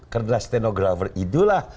karena stenografer itulah